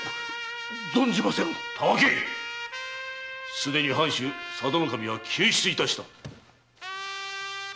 すでに藩主・佐渡守は救出いたした！